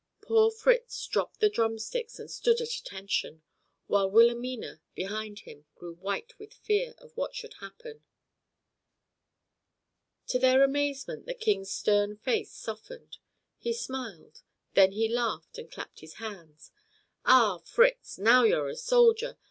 Poor Fritz dropped the drumsticks and stood at attention, while Wilhelmina, behind him, grew white with fear of what should happen. To their amazement the King's stern face softened; he smiled, then he laughed and clapped his hands. "Ah, Fritz, now you're a soldier!